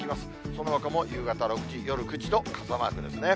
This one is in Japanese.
そのほかも夕方６時、夜９時と傘マークですね。